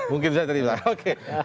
mungkin bisa tercipta oke